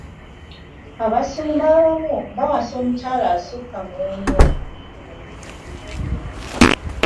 Abasumba abamu bawasa omukyala asuka mw'omu.